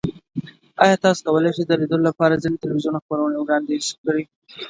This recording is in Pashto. ایا تاسو کولی شئ د لیدو لپاره ځینې تلویزیوني خپرونې وړاندیز کړئ؟